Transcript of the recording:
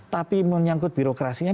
tapi menyangkut birokrasinya